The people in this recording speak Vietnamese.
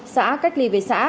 xã cách ly với xã